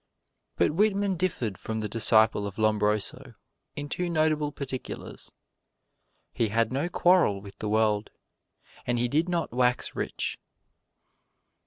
But Whitman differed from the disciple of Lombroso in two notable particulars: He had no quarrel with the world, and he did not wax rich.